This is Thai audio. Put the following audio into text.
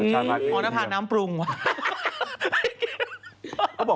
อ๋อแล้วผ่านน้ำปรุงว่ะ